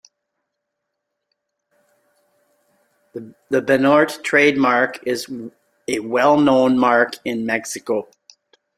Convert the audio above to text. The "Banorte" trademark is a well-known mark in Mexico.